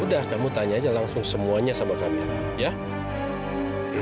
udah kamu tanya aja langsung semuanya sama kamila ya